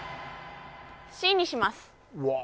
Ｃにします